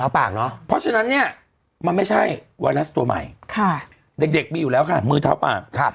เพราะฉะนั้นเนี่ยมันไม่ใช่ไวรัสตัวใหม่เด็กมีอยู่แล้วค่ะมือเท้าปาก